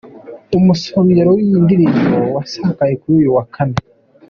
Umusogongero w’iyi ndirimbo wasakaye kuri uyu wa Kane.